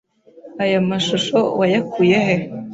Aya mashusho wayakuye he?